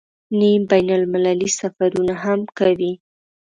نیم بین المللي سفرونه هم کوي.